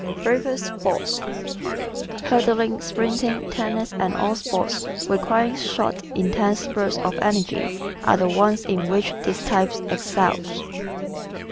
Favorite Sports ¶ Hurdling, sprinting, tennis and all sports requiring short, intense spurts of energy are the ones in which this type excels.